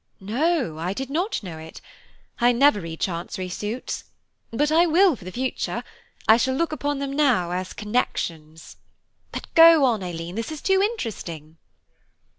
"No, I did not know it; I never read Chancery suits: but I will for the future–I shall look upon them now as connections. But go on Aileen, this is too interesting."